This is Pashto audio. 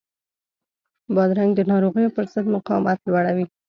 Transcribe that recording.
بادرنګ د ناروغیو پر ضد مقاومت لوړوي.